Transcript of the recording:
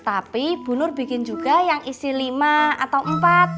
tapi bu nur bikin juga yang isi lima atau empat